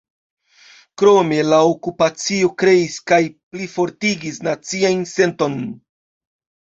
Krome, la okupacio kreis kaj plifortigis nacian senton.